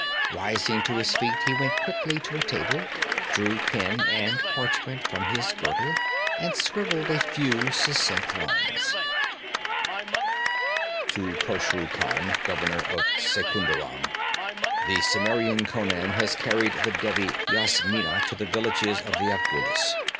Rising to his feet he went quickly to a table, drew pen and parchment from his girdle and scribbled a few succinct lines. 'To Khosru Khan, governor of Secunderam: the Cimmerian Conan has carried the Devi Yasmina to the villages of the Afghulis.